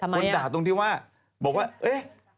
ทำไมอ่ะคนด่าตรงที่ว่าบอกว่าเอ๊ะ